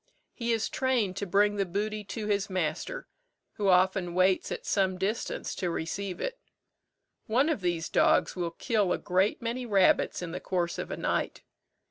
He is trained to bring the booty to his master, who often waits at some distance to receive it. One of these dogs will kill a great many rabbits in the course of a night.